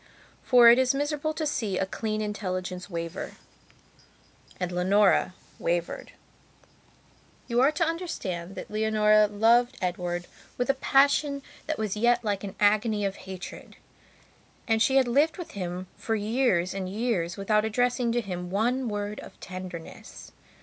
For it is miserable to see a clean intelligence waver; and Leonora wavered. You are to understand that Leonora loved Edward with a passion that was yet like an agony of hatred. And she had lived with him for years and years without addressing to him one word of tenderness.